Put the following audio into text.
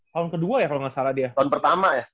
tahun kedua ya kalau nggak salah dia tahun pertama ya